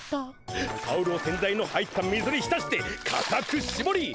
タオルを洗剤の入った水にひたしてかたくしぼり